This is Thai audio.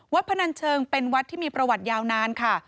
พนันเชิงเป็นวัดที่มีประวัติยาวนานค่ะ